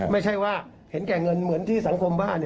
ไม่ใช่ว่าเห็นแก่เงินเหมือนที่สังคมว่า